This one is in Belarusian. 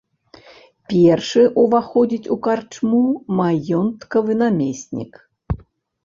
Першы ўваходзіць у карчму маёнткавы намеснік.